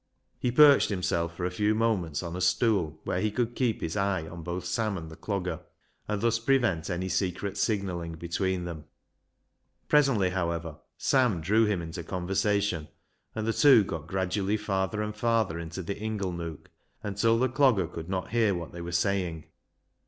He perched himself for a few moments on a stool, where he could keep his eye on both Sam and the Clogger, and thus pre vent any secret signalling between them. Presently, however, Sam drew him into con versation, and the two got gradually farther and farther into the inglenook, until the Clogger could not hear what they were saying.